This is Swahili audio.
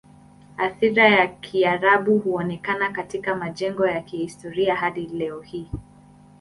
Athira ya Kiarabu huonekana katika majengo ya kihistoria hadi leo hii.